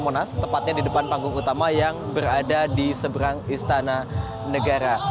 monas tepatnya di depan panggung utama yang berada di seberang istana negara